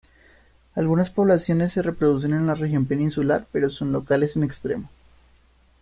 Algunas poblaciones se reproducen en la región peninsular pero son locales en extremo.